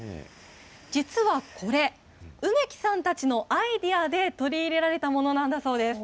実はこれ、梅木さんたちのアイデアで取り入れられたものなんだそうです。